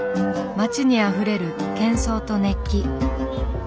街にあふれる喧騒と熱気。